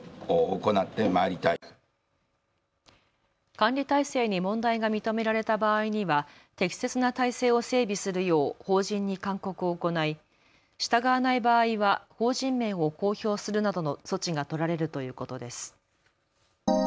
管理体制に問題が認められた場合には適切な体制を整備するよう法人に勧告を行い従わない場合は法人名を公表するなどの措置が取られるということです。